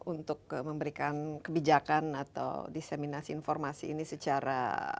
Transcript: untuk memberikan kebijakan atau diseminasi informasi ini secara